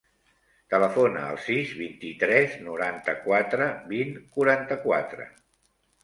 Telefona al sis, vint-i-tres, noranta-quatre, vint, quaranta-quatre.